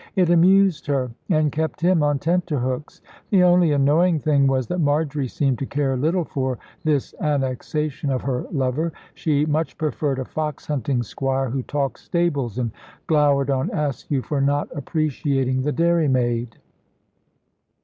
It amused her, and kept him on tenterhooks. The only annoying thing was, that Marjory seemed to care little for this annexation of her lover. She much preferred a fox hunting squire, who talked "stables," and glowered on Askew for not appreciating the dairy maid.